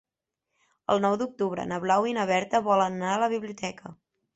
El nou d'octubre na Blau i na Berta volen anar a la biblioteca.